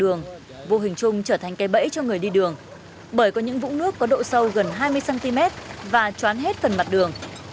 đường vô hình chung trở thành cây bẫy cho người đi đường bởi có những vũng nước có độ sâu gần hai mươi cm và trán hết phần mặt đường